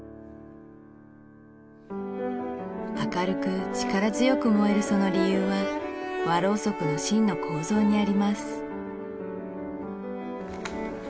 明るく力強く燃えるその理由は和ろうそくの芯の構造にあります